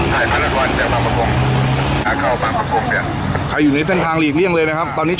เห็นใครที่ลุ้มตอนใดได้ยังมาแบบนี้